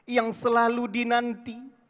yang selalu dinanti